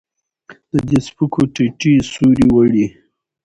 د دې سپکو ټيټې سورې وړي